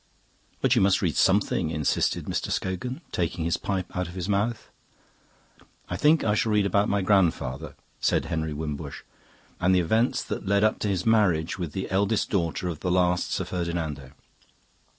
"But you must read something," insisted Mr. Scogan, taking his pipe out of his mouth. "I think I shall read about my grandfather," said Henry Wimbush, "and the events that led up to his marriage with the eldest daughter of the last Sir Ferdinando."